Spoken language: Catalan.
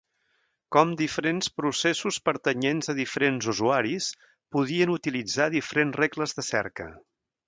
Com diferents processos pertanyents a diferents usuaris, podien utilitzar diferents regles de cerca.